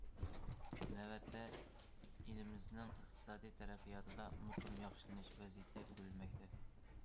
نۆۋەتتە، ئېلىمىزنىڭ ئىقتىسادىي تەرەققىياتىدا مۇقىم ياخشىلىنىش ۋەزىيىتى كۆرۈلمەكتە.